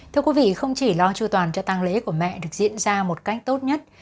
thưa quý vị không chỉ lo chu toàn cho tăng lễ của mẹ được diễn ra một cách tốt nhất